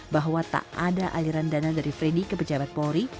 bahwa tak ada aliran dana dari freddy ke pejabat polri